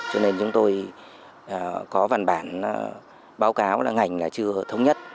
cho nên chúng tôi có văn bản báo cáo là ngành là chưa thống nhất